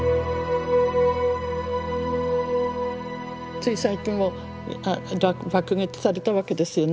つい最近も爆撃されたわけですよね。